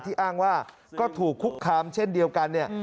อ้างว่าก็ถูกคุกคามเช่นเดียวกันเนี่ย